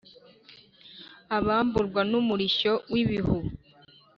abamburwa n' umurishyo w' ibihubi